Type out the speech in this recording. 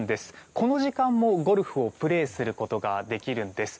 この時間もゴルフをプレーすることができるんです。